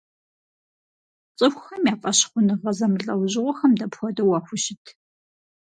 Цӏыхухэм я фӏэщхъуныгъэ зэмылӏэужьыгъуэхэм дапхуэдэу уахущыт?